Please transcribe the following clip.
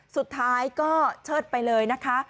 สุดท้ายก็เชิดไปเลยนะคะ